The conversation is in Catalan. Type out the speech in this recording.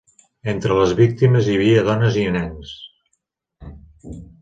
Entre les víctimes hi havia dones i nens.